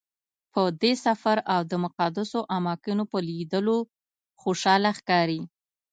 په دې سفر او د مقدسو اماکنو په لیدلو خوشحاله ښکاري.